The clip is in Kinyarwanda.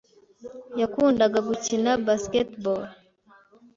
Yakundaga gukina basketball.